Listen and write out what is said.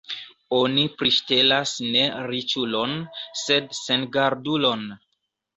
Oni priŝtelas ne riĉulon, sed sengardulon.